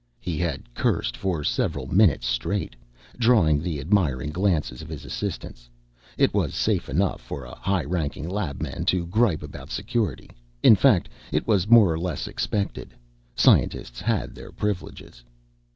He had cursed for several minutes straight, drawing the admiring glances of his assistants. It was safe enough for a high ranking labman to gripe about Security in fact, it was more or less expected. Scientists had their privileges.